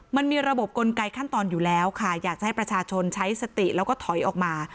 มันมีระบบกลไกขั้นตอนอยู่แล้วค่ะอยากจะให้ประชาชนใช้สติแล้วก็ถอยออกมา